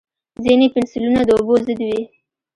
ځینې پنسلونه د اوبو ضد وي.